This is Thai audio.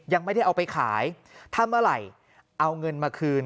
ยังไม่ได้เอาไปขายถ้าเมื่อไหร่เอาเงินมาคืน